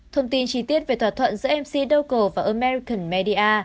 thông tin trí tiết về thỏa thuận giữa mc doco và american media